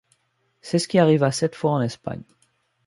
C'est ce qui arriva cette fois en Espagne.